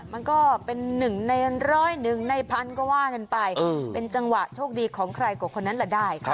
มันก็เป็นหนึ่งในร้อยหนึ่งในพันก็ว่ากันไปเป็นจังหวะโชคดีของใครกว่าคนนั้นแหละได้